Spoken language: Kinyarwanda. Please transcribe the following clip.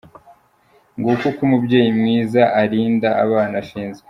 Nguko uko umubyeyi mwiza arinda abana ashinzwe !.